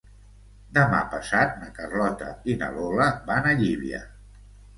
Demà passat na Carlota i na Lola van a Llívia.